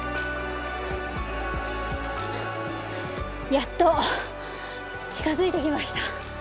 やっと近づいてきました。